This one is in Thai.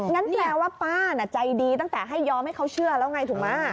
งั้นแปลว่าป้าน่ะใจดีตั้งแต่ให้ยอมให้เขาเชื่อแล้วไงถูกไหม